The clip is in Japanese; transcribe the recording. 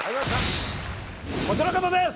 こちらの方です